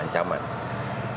yang ketiga perubahan ancaman